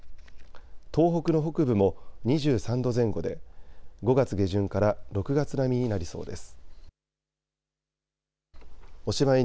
東北の北部も２３度前後で５月下旬から６月並みになりそうです。